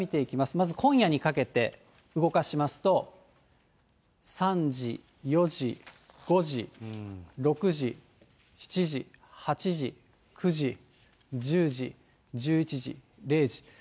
まず今夜にかけて動かしますと、３時、４時、５時、６時、７時、８時、９時、１０時、１１時、０時。